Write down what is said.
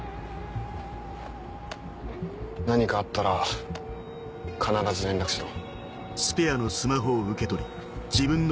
何かあったら必ず連絡しろ。